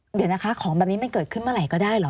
เดี๋ยวนะคะของแบบนี้มันเกิดขึ้นเมื่อไหร่ก็ได้เหรอ